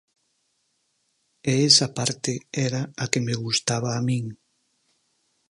E esa parte era a que me gustaba a min.